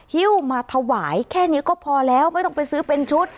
ฮิ้วมาถวายแค่นี้ก็พอแล้วไม่ต้องไปซื้อเป็นชุด